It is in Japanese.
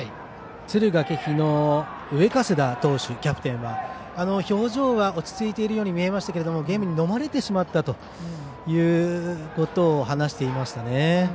敦賀気比の上加世田投手、キャプテンは表情は落ち着いているように見えましたがゲームにのまれてしまったということを話していましたね。